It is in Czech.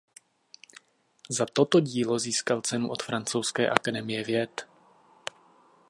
Za toto dílo získal cenu od Francouzské akademie věd.